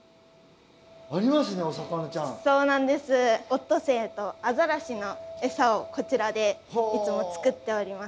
オットセイとアザラシのエサをこちらでいつも作っております。